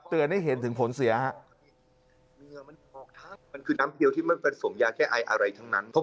เตือนให้เห็นถึงผลเสียฮะ